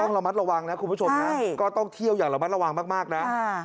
ระมัดระวังนะคุณผู้ชมนะก็ต้องเที่ยวอย่างระมัดระวังมากนะ